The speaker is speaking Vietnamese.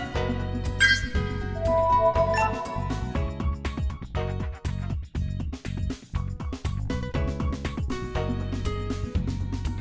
cảm ơn quý vị